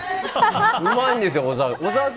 うまいんですよ、小澤君。